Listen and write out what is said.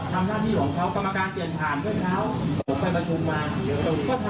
ทางเก้าไกรเขาบอกว่าเขากำลังทำหน้าที่ของเขา